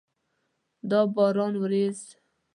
د باران ورېځ!